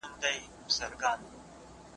تاسو باید په خپلو درسونو کې جدي اوسئ.